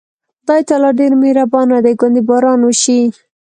خدای تعالی ډېر مهربانه دی، ګوندې باران وشي.